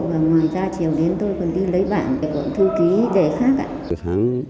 và ngoài ra chiều đến tôi còn đi lấy bảng của thư ký đề khác